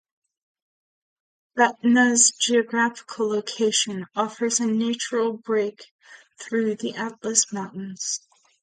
Batna's geographical location offers a natural break through the Atlas Mountains.